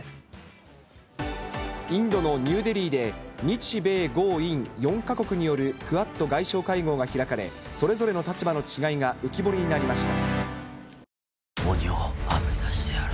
インドのニューデリーで、日米豪印４か国によるクアッド外相会合で立場の違いが浮き彫りになりました。